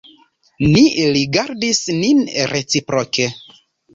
Ni rigardis nin reciproke.